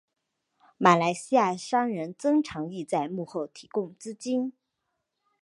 马来西亚商人曾长义在幕后提供资金。